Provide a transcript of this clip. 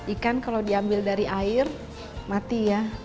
ikan kalau diambil dari air mati ya